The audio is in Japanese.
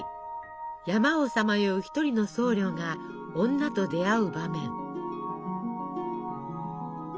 山をさまよう一人の僧侶が女と出会う場面。